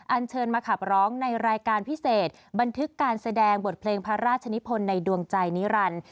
เชิญมาขับร้องในรายการพิเศษบันทึกการแสดงบทเพลงพระราชนิพลในดวงใจนิรันดิ์